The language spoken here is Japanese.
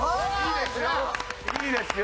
あっいいですよ！